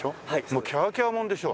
もうキャーキャーもんでしょ。